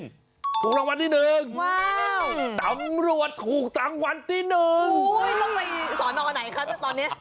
ถูกรางวัลที่หนึ่งว้าวตำรวจถูกรางวัลที่หนึ่งต้องไปสอนอไหนคะตอนนี้